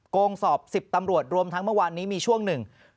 โกงสอบ๑๐ตำรวจรวมทั้งเมื่อวานนี้มีช่วงหนึ่ง